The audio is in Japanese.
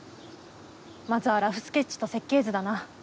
まずはラフスケッチと設計図だな。